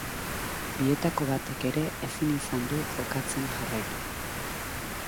Bietako batek ere ezin izan du jokatzem jarraitu.